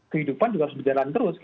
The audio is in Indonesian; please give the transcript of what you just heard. kehidupan juga harus berjalan terus